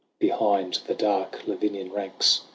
Behind the dark Lavinian ranks.